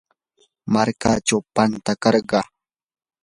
markachaw pantakarquu.